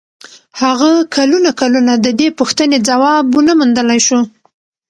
هغه کلونه کلونه د دې پوښتنې ځواب و نه موندلای شو.